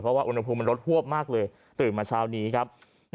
เพราะว่าอุณหภูมิมันลดหวบมากเลยตื่นมาเช้านี้ครับ